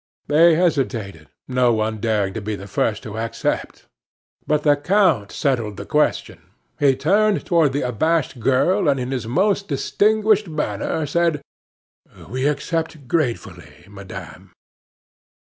They hesitated, no one daring to be the first to accept. But the count settled the question. He turned toward the abashed girl, and in his most distinguished manner said: "We accept gratefully, madame."